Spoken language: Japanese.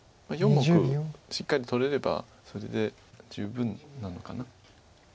４目しっかり取れればそれで十分なのかな。